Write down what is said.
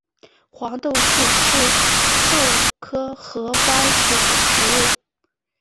黄豆树是豆科合欢属的植物。